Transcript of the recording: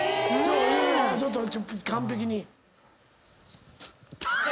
ちょっと完璧に。